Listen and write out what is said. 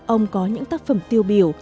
ông có những tác phẩm tiêu biểu